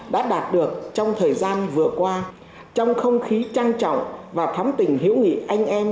đã đạt được trong thời gian vừa qua trong không khí trang trọng và thắm tình hữu nghị anh em